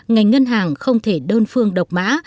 ngành ngân hàng không thể đơn phương độc mã